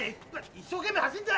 一生懸命走んだ！